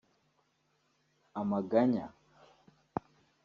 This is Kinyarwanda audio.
amaganya